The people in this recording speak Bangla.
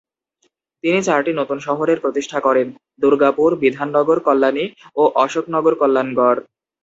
তিনি চারটি নতুন শহরের প্রতিষ্ঠা করেন: দূর্গাপুর, বিধাননগর, কল্যাণী ও অশোকনগর-কল্যাণগড়।